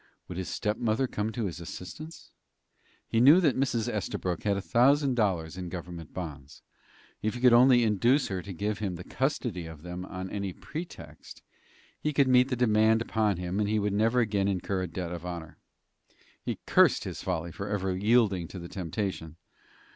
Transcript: Would his stepmother come to his assistance? He knew that Mrs. Estabrook had a thousand dollars in government bonds. If he could only induce her to give him the custody of them on any pretext, he could meet the demand upon him, and he would never again incur a debt of honor. He cursed his folly for ever yielding to the temptation.